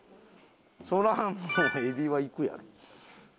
それはもうエビはいくやろ。